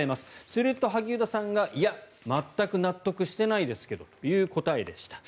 すると、萩生田さんがいや、全く納得してないですけどという答えでした。